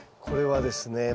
これはですね